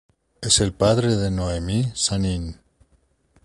Es el padre de Noemí Sanín.